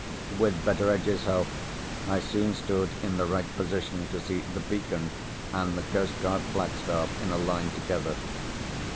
With Betteredge's help, I soon stood in the right position to see the Beacon and the Coast guard flagstaff in a line together.